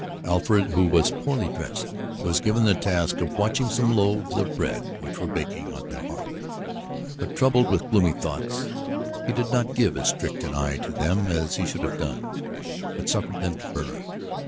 Alfred, who was poorly dressed, was given the task of watching some loaves of bread which were baking at the hearth, but, troubled with gloomy thoughts, did not give as strict an eye to them as he should have done, but suffered them to burn.